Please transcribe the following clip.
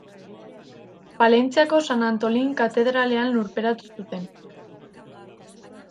Palentziako San Antolin katedralean lurperatu zuten.